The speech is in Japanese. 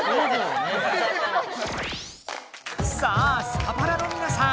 さあスカパラのみなさん